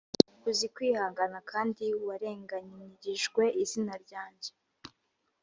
uzi kwihangana kandi warenganirijwe izina ryanjye